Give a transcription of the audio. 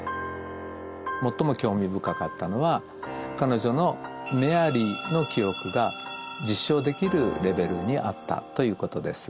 最も興味深かったのは彼女のメアリの記憶が実証できるレベルにあったということです。